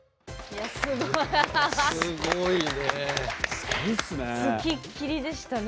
すごいね。